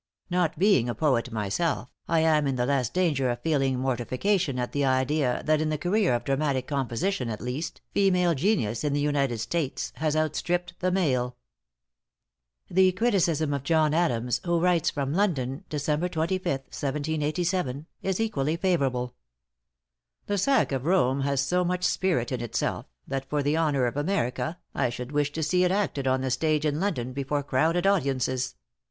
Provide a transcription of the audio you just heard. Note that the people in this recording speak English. Not being a poet myself, I am in the less danger of feeling mortification at the idea that in the career of dramatic composition at least, female genius in the United States has out stripped the male." The criticism of John Adams who writes from London, Dec. 25th, 1787, is equally favorable. "The 'Sack of Rome' has so much spirit in itself, that for the honor of America, I should wish to see it acted on the stage in London, before crowded audiences.